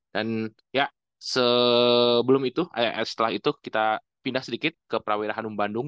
dan ya sebelum itu setelah itu kita pindah sedikit ke prawira hanum bandung